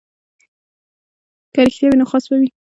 که رښتیا وي نو خاص وي.